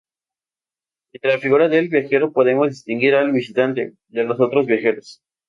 Entre la figura de "viajero" podemos distinguir al "visitante" de los "otros viajeros".